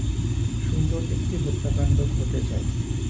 সুন্দর একটি হত্যাকাণ্ড ঘটে যায়।